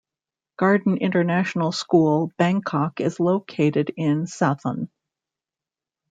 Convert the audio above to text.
Garden International School Bangkok is located in Sathon.